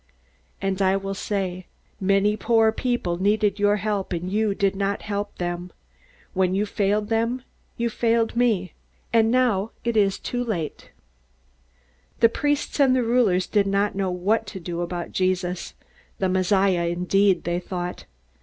"And I will say: 'Many poor people needed your help, and you did not help them. When you failed them, you failed me. And now it is too late!'" The priests and the rulers did not know what to do about Jesus. The Messiah, indeed! they thought.